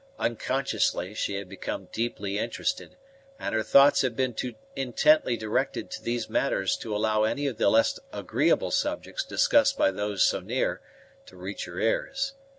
Unconsciously she had become deeply interested, and her thoughts had been too intently directed to these matters to allow any of the less agreeable subjects discussed by those so near to reach her ears.